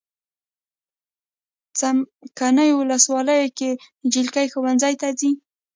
څمکنیو ولسوالۍ کې جلکې ښوونځی ته ځي.